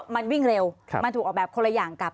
มันวิ่งเร็วมันถูกออกแบบคนละอย่างกับ